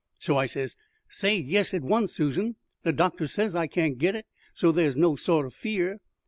So I says, 'Say yes at once, Susan. The doctor says I can't get it, so there's no sort o' fear.'